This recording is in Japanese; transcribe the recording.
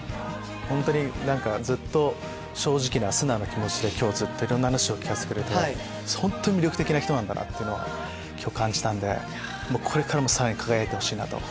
本当にずっと正直な素直な気持ちでいろんな話を聞かせてくれて魅力的な人だって感じたんでこれからもさらに輝いてほしいなと。